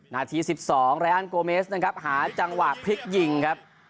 นาทีสิบสองแรงโกเมสนะครับหาจังหวะพลิกยิงครับ